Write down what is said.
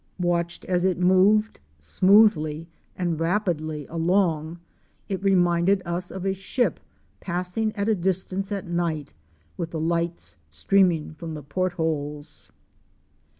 Watched as it moved smoothly and rapidly along, it reminded us of a ship passing at a distance at night with the lights streaming from the port holes.